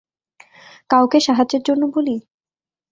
কাউকে সাহায্যের জন্য বলি!